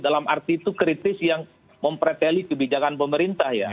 dalam arti itu kritis yang mempreteli kebijakan pemerintah ya